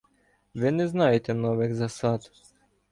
Ви не знаєте нових засад.